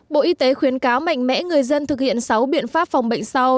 bộ y tế khuyến cáo mạnh mẽ người dân thực hiện sáu biện pháp phòng bệnh sau